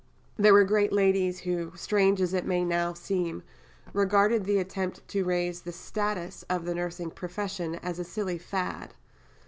There were great ladies who, strange as it may now seem, regarded the attempt to raise the status of the nursing profession as a silly fad.